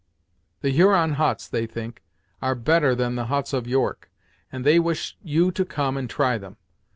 The Huron huts, they think, are better than the huts of York, and they wish you to come and try them.